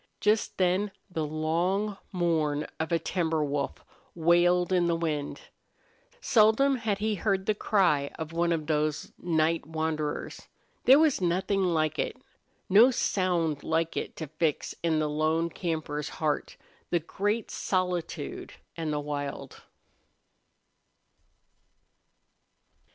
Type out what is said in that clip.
Just then the long mourn of a timber wolf wailed in with the wind. Seldom had he heard the cry of one of those night wanderers. There was nothing like it no sound like it to fix in the lone camper's heart the great solitude and the wild.